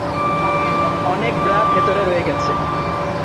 অনেক ব্রা ভেতরে রয়ে গেছে।